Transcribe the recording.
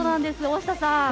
大下さん。